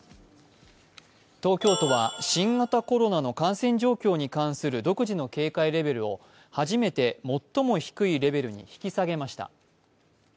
東京都は新型コロナの感染状況に関する独自の警戒レベルを、初めて最も低いレベルに引き下げました。